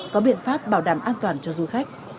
có biện pháp bảo đảm an toàn cho du khách